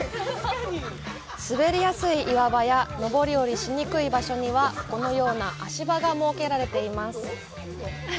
滑りやすい岩場や登り下りしにくい場所にはこのような足場が設けられています。